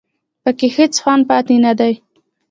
په کې هېڅ خوند پاتې نه دی